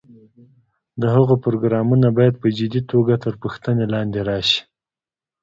د هغه پروګرامونه باید په جدي توګه تر پوښتنې لاندې راشي.